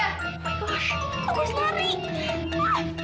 oh my gosh terus lari